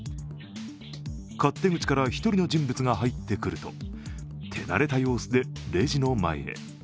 勝手口から１人の人物が入ってくると手慣れた様子でレジの前へ。